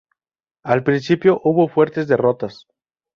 Al principio, hubo fuertes derrotas.